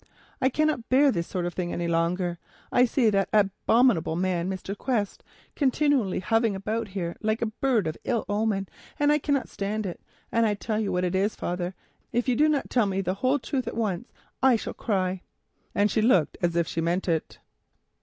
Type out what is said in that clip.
"I cannot bear this sort of thing any longer. I see that abominable man, Mr. Quest, continually hovering about here like a bird of ill omen, and I cannot bear it; and I tell you what it is, father, if you don't tell me the whole truth at once I shall cry," and she looked as though she meant it.